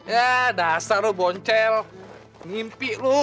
ya dasar lu boncel ngimpi lu aduh